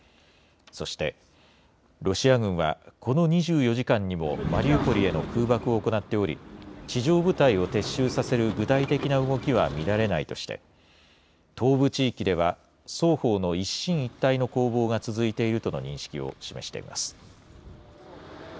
そして、ロシア軍は、この２４時間にもマリウポリへの空爆を行っており、地上部隊を撤収させる具体的な動きは見られないとして、東部地域では双方の一進一退の攻防が続いているとの認識を示しています。